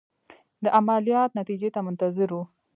د عملیات نتیجې ته منتظر وو.